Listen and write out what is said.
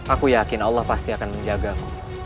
aku yakin allah pasti akan menjagamu